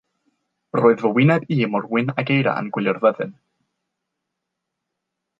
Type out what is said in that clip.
Roedd fy wyneb i mor wyn ag eira yn gwylio'r fyddin.